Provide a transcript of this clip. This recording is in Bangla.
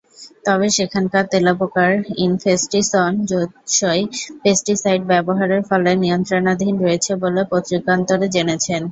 তবে সেখানকার তেলাপোকার ইনফেস্টিসন যুতসই পেস্টিসাইড ব্যবহারের ফলে নিয়ন্ত্রণাধীন রয়েছে বলে পত্রিকান্তরে জেনেছেন।